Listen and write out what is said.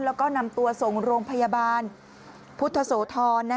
แล้วก็นำตัวส่งโรงพยาบาลพุทธโสธร